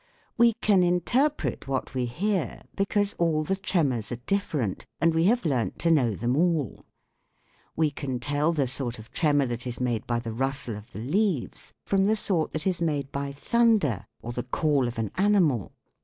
We can interpret what we hear because all the tremors are different and we have learnt to know them all. We can tell the sort of tremor that is made by the rustle of the leaves from the sort that is made by thunder or the call of an animal.